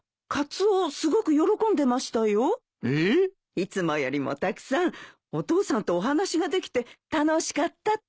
いつもよりもたくさんお父さんとお話ができて楽しかったって。